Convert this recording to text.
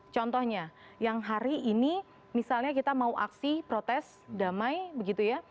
contohnya yang hari ini misalnya kita mau aksi protes damai begitu ya